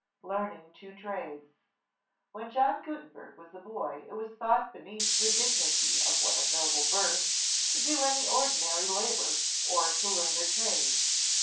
Learning Two Trades When John Gutenberg was a boy, it was thought be neath the dignity of one of noble birth to do any ordi nary labor, or to learn a trade.